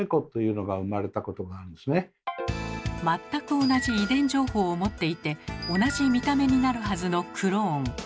全く同じ遺伝情報を持っていて同じ見た目になるはずのクローン。